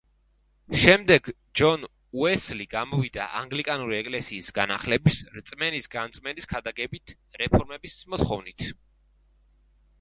შემდეგ ჯონ უესლი გამოვიდა ანგლიკანური ეკლესიის განახლების, რწმენის განწმენდის ქადაგებით, რეფორმის მოთხოვნით.